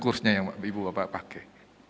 kursnya yang ibu bapak pakai